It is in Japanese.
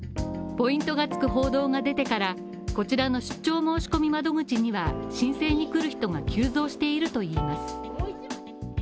ポイントが付く報道が出てから、こちらの出張の申し込み窓口には、申請に来る人が急増しているといいます。